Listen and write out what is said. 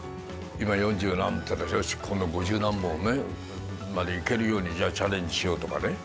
今四十何本打ったよし今度五十何本までいけるようにチャレンジしようとかね。